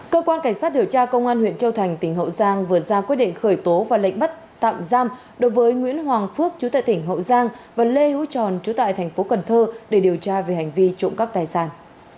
cơ quan cảnh sát điều tra công an huyện châu thành tỉnh hậu giang vừa ra quyết định khởi tố và lệnh bắt tạm giam đối với nguyễn hoàng phước chú tại tỉnh hậu giang và lê hữu tròn chú tại thành phố cần thơ để điều tra về hành vi trộm cắp tài sản